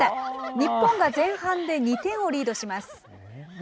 日本が前半で２点をリードします。